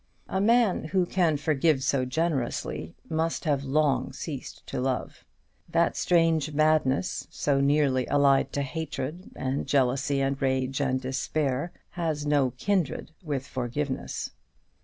A man who can forgive so generously must have long ceased to love: that strange madness, so nearly allied to hatred, and jealousy, and rage, and despair, has no kindred with forgiveness.